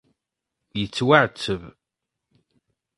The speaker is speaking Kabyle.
Yettwaɛetteb.